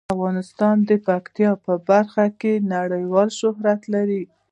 افغانستان د پکتیکا په برخه کې نړیوال شهرت لري.